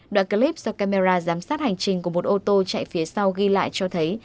đoạn clip do camera giám sát hành trình của một ô tô chạy phía sau ghi lại cho thấy